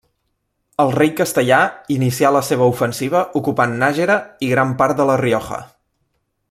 El rei castellà inicià la seva ofensiva ocupant Nájera i gran part de la Rioja.